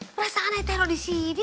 perasaan aneh teruk disini dah